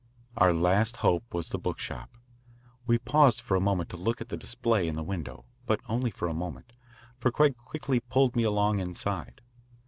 Our last hope was the book shop. We paused for a moment to look at the display in the window, but only for a moment, for Craig quickly pulled me along inside.